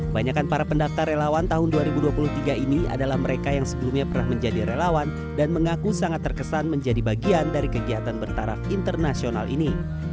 banyakan para pendaftar relawan tahun dua ribu dua puluh tiga ini adalah mereka yang sebelumnya pernah menjadi relawan dan mengaku sangat terkesan menjadi bagian dari kegiatan bertaraf internasional ini